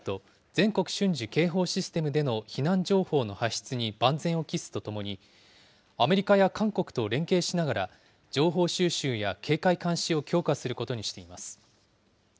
・全国瞬時警報システムでの避難情報の発出に万全を期すとともに、アメリカや韓国と連携しながら情報収集や警戒監視を強化することにしています。